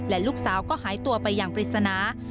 และลูกสาวก็หายตัวไปอย่างปริศนา